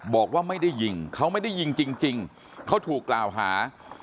บอกว่าไม่ได้ยิงเขาไม่ได้ยิงจริงเขาถูกกล่าวหา